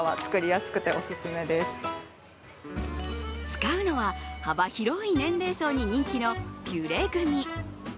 使うのは、幅広い年齢層に人気のピュレグミ。